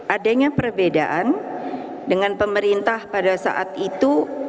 adanya perbedaan dengan pemerintah pada saat itu